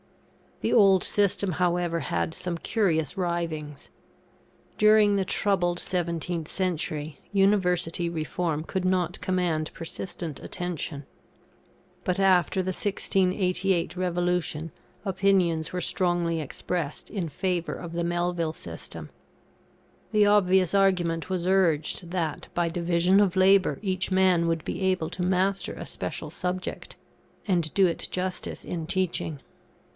The old system, however, had some curious writhings. During the troubled 17th century, University reform could not command persistent attention. But after the 1688 Revolution, opinions were strongly expressed in favour of the Melville system. The obvious argument was urged, that, by division of labour each man would be able to master a special subject, and do it justice in teaching.